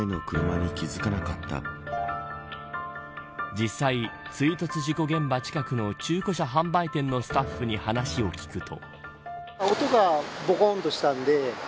実際、追突事故現場近くの中古車販売店のスタッフに話を聞くと。